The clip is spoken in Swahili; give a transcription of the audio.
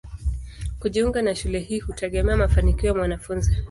Kujiunga na shule hii hutegemea mafanikio ya mwanafunzi.